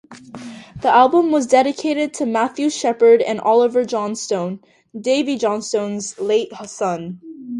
The album was dedicated to Matthew Shepard and Oliver Johnstone, Davey Johnstone's late son.